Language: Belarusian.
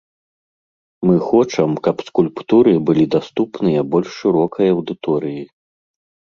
Мы хочам, каб скульптуры былі даступныя больш шырокай аўдыторыі.